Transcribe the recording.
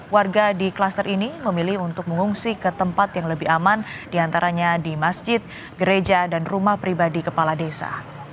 warga di klaster ini memilih untuk mengungsi ke tempat yang lebih aman diantaranya di masjid gereja dan rumah pribadi kepala desa